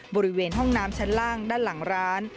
บริเวณห้องน้ำชั้นล่างด้านหลังร้าน